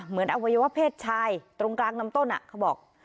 เหมือนอวัยวะเพศชายตรงกลางน้ำต้นเขาบอก